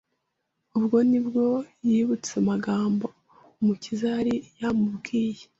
ubwo ni bwo yibutse amagambo Umukiza yari yamubwiye